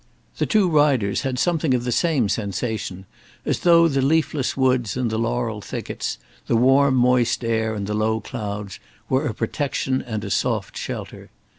The two riders had something of the same sensation, as though the leafless woods and the laurel thickets, the warm, moist air and the low clouds, were a protection and a soft shelter.